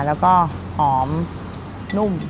แล้วก็หอมนุ่ม